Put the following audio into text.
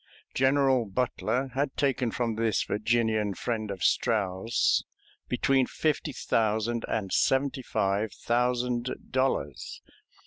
General Butler had taken from this Virginian friend of Strouse between fifty thousand and seventy five thousand dollars.